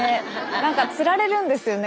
なんかつられるんですよね